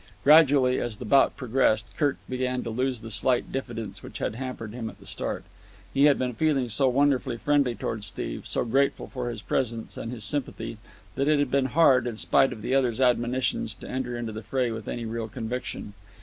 Gradually, as the bout progressed, Kirk began to lose the slight diffidence which had hampered him at the start. He had been feeling so wonderfully friendly toward Steve, so grateful for his presence, and his sympathy, that it had been hard, in spite of the other's admonitions, to enter into the fray with any real conviction.